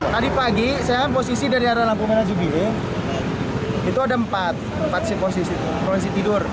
tadi pagi saya posisi dari arah lampu merah cibiru itu ada empat si posisi tidur